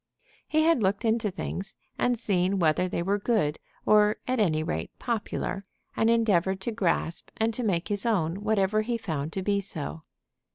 He had looked into things and seen whether they were good, or at any rate popular, and endeavored to grasp and to make his own whatever he found to be so.